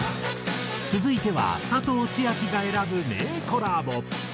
続いては佐藤千亜妃が選ぶ名コラボ。